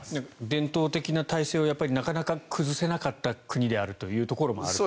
伝統的な体制をなかなか崩せなかった国であるということもある。